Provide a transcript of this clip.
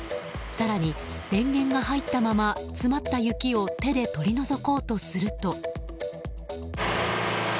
更に電源が入ったまま詰まった雪を手で取り除こうとすると。